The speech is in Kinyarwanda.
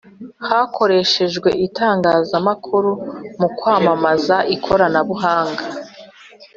Hakoreshejwe itangazamakuru mu kwamamaza ikoranabuhanga